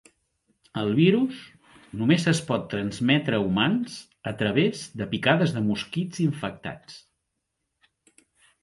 El virus només es pot transmetre a humans a través de picades de mosquits infectats.